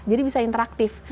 jadi bisa interaktif